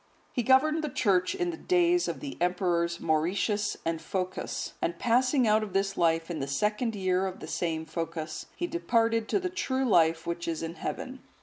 (157) He governed the Church in the days of the Emperors Mauritius and Phocas, and passing out of this life in the second year of the same Phocas,(158) he departed to the true life which is in Heaven.